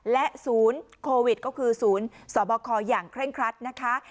และสูญโควิดก็คือสูญสวบครอย่างเคร่งคลัดนะคะ